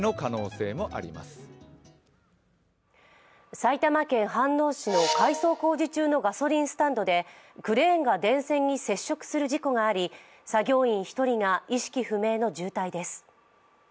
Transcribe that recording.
埼玉県飯能市の改装工事中のガソリンスタンドでクレーンが電線に接触する事故があり作業員１人が意識不明の重体です。